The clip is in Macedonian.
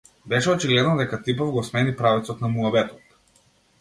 Беше очигледно дека типов го смени правецот на муабетот.